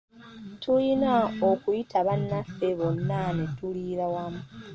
Tulina okuyita bannaffe bonna ne tuliira wamu.